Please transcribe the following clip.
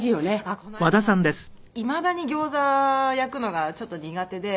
あっこの間も私いまだにギョーザ焼くのがちょっと苦手で。